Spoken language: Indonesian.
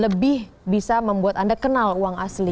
lebih bisa membuat anda kenal uang asli